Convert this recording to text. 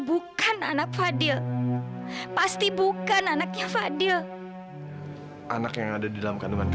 bukan anak fadil